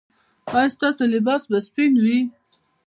ایا ستاسو لباس به سپین وي؟